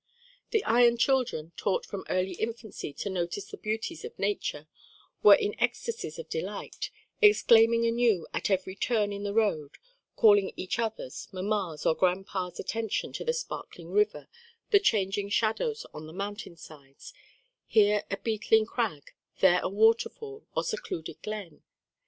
The Ion children, taught from early infancy to notice the beauties of nature, were in ecstasies of delight, exclaiming anew at every turn in the road, calling each other's, mamma's or grandpa's attention to the sparkling river, the changing shadows on the mountainsides, here a beetling crag, there a waterfall or secluded glen.